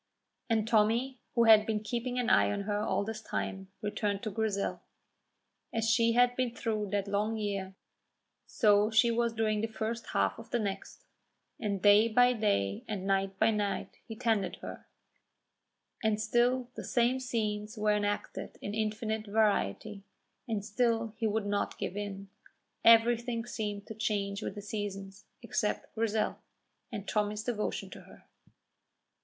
And Tommy, who had been keeping an eye on her all this time, returned to Grizel. As she had been through that long year, so she was during the first half of the next; and day by day and night by night he tended her, and still the same scenes were enacted in infinite variety, and still he would not give in. Everything seemed to change with the seasons, except Grizel, and Tommy's devotion to her.